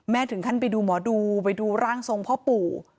ถึงขั้นไปดูหมอดูไปดูร่างทรงพ่อปู่